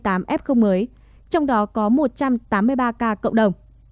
trong đó có một trăm tám mươi ba ca cộng đồng